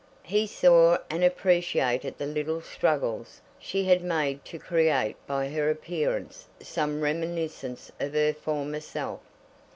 He saw and appreciated the little struggles she had made to create by her appearance some reminiscence of her former self.